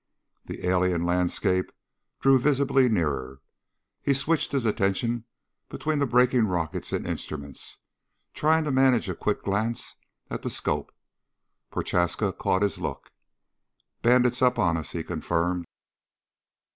The alien landscape drew visibly nearer. He switched his attention between the braking rockets and instruments, trying to manage a quick glance at the scope. Prochaska caught his look. "Bandit's up on us," he confirmed.